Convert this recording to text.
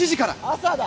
朝だ。